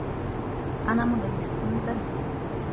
أنا مدرّسكم البديل.